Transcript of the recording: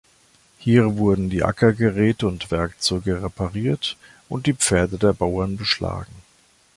Hier wurden die Ackergeräte und Werkzeuge repariert und die Pferde der Bauern beschlagen.